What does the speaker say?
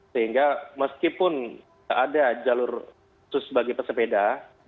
sehingga meskipun tidak ada jalur khusus bagi pesepeda